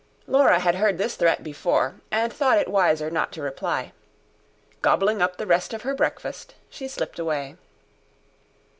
Laura had heard this threat before, and thought it wiser not to reply. Gobbling up the rest of her breakfast she slipped away.